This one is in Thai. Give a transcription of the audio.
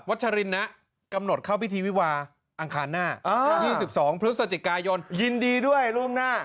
วัชลินนะกำหนดเข้าพิธีวิวาอังคารหน้าอ๋อยี่สิบสองพฤษจิกายนยินดีด้วยร่วมหน้า